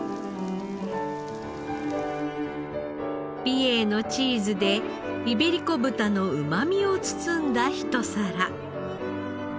美瑛のチーズでイベリコ豚のうまみを包んだひと皿。